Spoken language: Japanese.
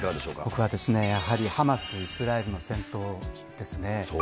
僕はやはりハマス、イスラエルの戦闘ですね。